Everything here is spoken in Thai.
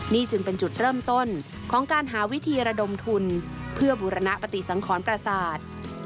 นี่จึงเป็นจุดเริ่มต้นของการหาวิธีระดมทุนเพื่อบูรณปฏิสังขรประสาท